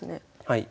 はい。